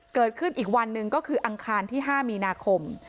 เกิดขึ้นอีกวันหนึ่งก็คืออังคารที่๕มีนาคม